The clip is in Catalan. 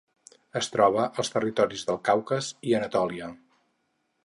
Es troba als territoris del Caucas i Anatòlia.